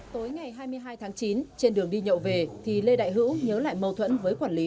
tối ngày hai mươi hai tháng chín trên đường đi nhậu về thì lê đại hữu nhớ lại mâu thuẫn với quản lý